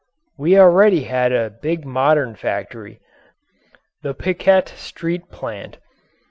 We already had a big modern factory the Piquette Street plant.